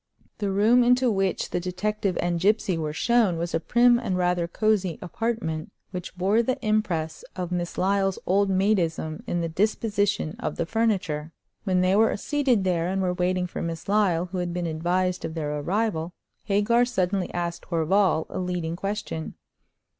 The room into which the detective and gipsy were shown was a prim and rather cosy apartment, which bore the impress of Miss Lyle's old maidism in the disposition of the furniture. When they were seated here, and were waiting for Miss Lyle, who had been advised of their arrival, Hagar suddenly asked Horval a leading question.